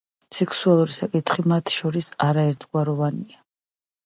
სექსუალური საკითხი მათ შორის არაერთგვაროვანია.